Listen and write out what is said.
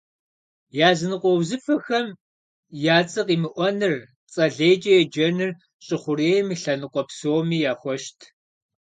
Языныкъуэ узыфэхэм я цӏэ къимыӏуэныр, цӏэ лейкӏэ еджэныр щӏы хъурейм и лъэныкъуэ псоми яхуэщт.